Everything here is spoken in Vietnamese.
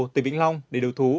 tỉnh vĩnh long để đấu thú